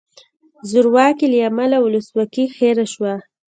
زورواکۍ له امله ولسواکي هیره شوه.